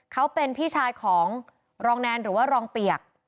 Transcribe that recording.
เขาเป็นพี่ชายของรองแนนหรือว่ารองเปียก